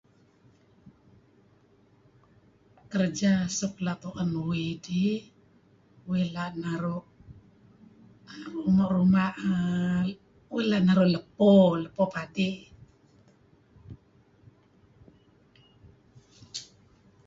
Kerja suk la' tu'en uih dih uih la' naru' ruma' err uih la' naru' lepo, lepo padey.